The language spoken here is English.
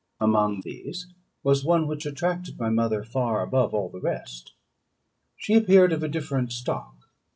Among these there was one which attracted my mother far above all the rest. She appeared of a different stock.